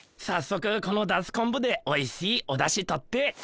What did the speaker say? さっそくこのだしコンブでおいしいおだしとって。